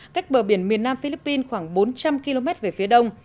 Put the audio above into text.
cách bờ biển miền nam philippines khoảng bốn trăm linh km về phía đông